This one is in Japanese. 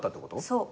そう。